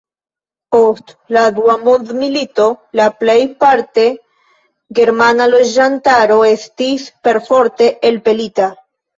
Post la dua mondmilito la plej parte germana loĝantaro estis perforte elpelita.